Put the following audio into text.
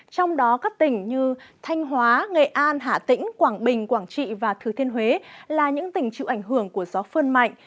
trong đó các tỉnh như thanh hóa nghệ an hạ tĩnh quảng bình quảng trị và thừa thiên huế là những tỉnh chịu ảnh hưởng của gió phơn mạnh